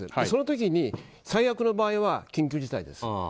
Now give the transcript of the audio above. その時に、最悪の場合は緊急事態です。